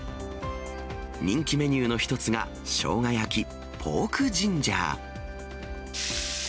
人気メニューの一つが、しょうが焼き、ポークジンジャー。